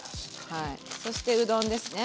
そしてうどんですね。